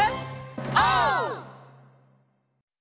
オー！